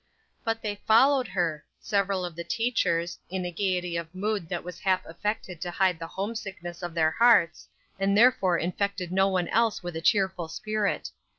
But they followed her: several of the teachers, in a gayety of mood, that was half affected to hide the homesickness of their hearts, and therefore infected no one else with a cheerful spirit.